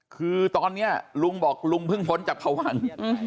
คือตอนนี้ลุงบอกลุงเพิ่งพ้นจากพวัง